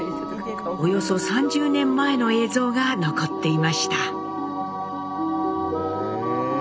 およそ３０年前の映像が残っていました。